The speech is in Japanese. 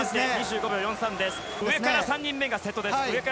上から３人目が瀬戸です。